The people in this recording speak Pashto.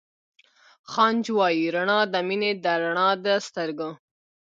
خانج وائي رڼا َد مينې ده رڼا َد سترګو